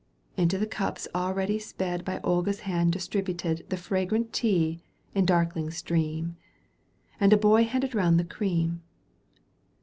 Into the cups already sped By Olga's hand distributed The fragrant tea in darkling stream. And a boy handed round the cream.